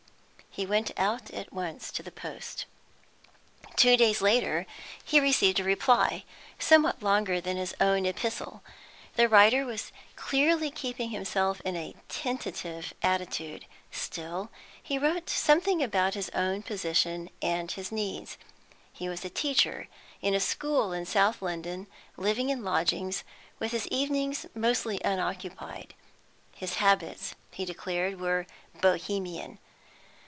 He went out at once to the post. Two days later he received a reply, somewhat longer than his own epistle. The writer was clearly keeping himself in a tentative attitude. Still, he wrote something about his own position and his needs. He was a teacher in a school in South London, living in lodgings, with his evenings mostly unoccupied. His habits, he declared, were Bohemian.